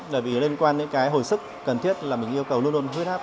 là vì liên quan đến cái hồi sức cần thiết là mình yêu cầu luôn luôn hướng hấp